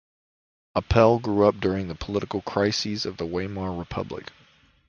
Apel grew up during the political crises of the Weimar Republic.